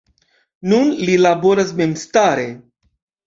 Nun li laboras memstare.